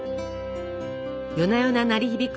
夜な夜な鳴り響く